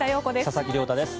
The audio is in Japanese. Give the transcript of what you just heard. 佐々木亮太です。